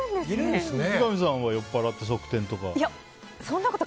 三上さんは酔っぱらって側転とかは？